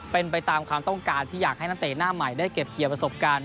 เป็นไปตามความต้องการที่อยากให้นักเตะหน้าใหม่ได้เก็บเกี่ยวประสบการณ์